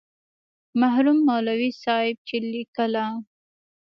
مرحوم مولوي صاحب چې لیکله.